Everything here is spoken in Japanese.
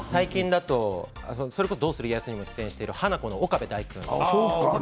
最近だと「どうする家康」に出演しているハナコの岡部大君